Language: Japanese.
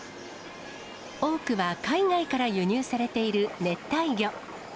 多くは海外から輸入されている熱帯魚。